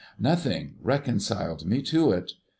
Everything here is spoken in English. Nothing reconciled me to it.